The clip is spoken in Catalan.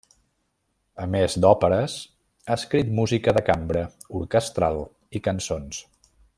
A més d'òperes, ha escrit música de cambra, orquestral i cançons.